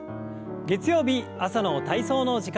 月曜日朝の体操の時間です。